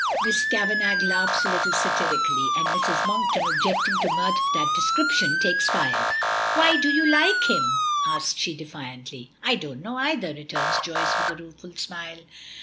Miss Kavanagh laughs a little satirically, and Mrs. Monkton, objecting to mirth of that description, takes fire. "Why do you like him?" asks she defiantly. "I don't know either," returns Joyce, with a rueful smile.